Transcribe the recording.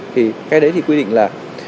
thì cái đấy thì quy định là